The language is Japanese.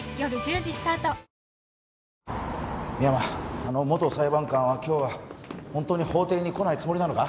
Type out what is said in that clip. あの元裁判官は今日はホントに法廷に来ないつもりなのか？